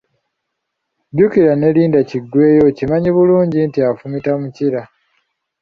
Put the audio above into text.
Jjukira ne linda kiggweeyo okimanyi bulungi nti afumita mukira.